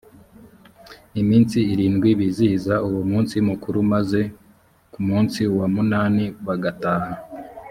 iminsi irindwi bizihiza uwo munsi mukuru maze ku munsi wa munani bagataha